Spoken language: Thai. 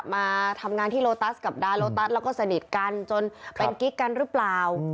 มาทำงานที่โลตัสกับดาโลตัสแล้วก็สนิทกันจนเป็นกิ๊กกันหรือเปล่า